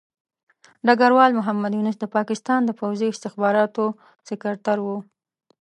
ډګروال محمد یونس د پاکستان د پوځي استخباراتو سکرتر وو.